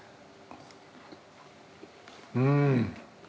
うん。